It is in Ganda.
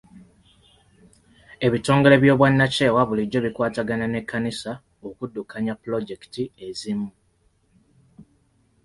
Ebitongole by'obwannakyewa bulijjo bikwatagana n'ekkanisa okuddukanya pulojekiti ezimu.